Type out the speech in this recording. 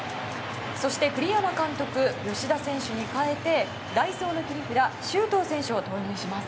そして栗山監督吉田選手に代えて代走の切り札周東選手を投入します。